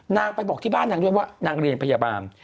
นางไปบอกที่บ้านนางด้วยว่านางเรียนพยาบาล